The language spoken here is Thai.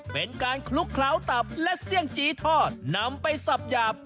เป็นการคลุกเคล้าตับและเสี่ยงจี้ทอดนำไปสับหยาบ